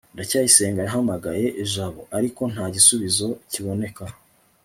ndacyayisenga yahamagaye jabo, ariko nta gisubizo kiboneka